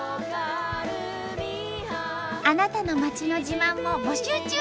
あなたの町の自慢も募集中！